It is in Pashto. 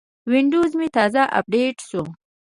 وینډوز مې تازه اپډیټ شو.